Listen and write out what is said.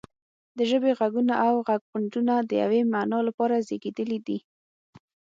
د ژبې غږونه او غږغونډونه د یوې معنا لپاره زیږیدلي دي